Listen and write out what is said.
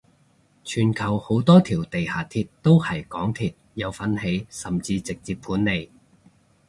全球好多條地下鐵都係港鐵有份起甚至直接管理